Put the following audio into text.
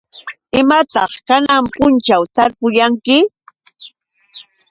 ¿Imataq kanan punćhaw tarpuyanki?